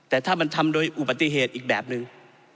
แต่ถ้ามันทำโดยอุบัติเหตุอีกแบบหนึ่ง